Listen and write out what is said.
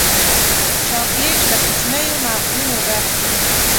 چاکلېټ له کوچنیو مغزونو ډک وي.